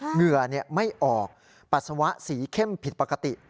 เหงื่อไม่ออกปัสสาวะสีเข้มผิดปกติ